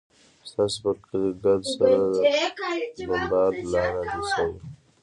ستاسو پر کلي ګرد سره بمبارد لا نه دى سوى.